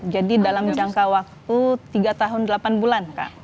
jadi dalam jangka waktu tiga tahun delapan bulan kak